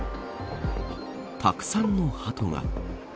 たくさんのハトが。